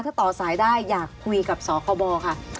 ถ้าต่อสายได้อยากคุยกับสคบค่ะ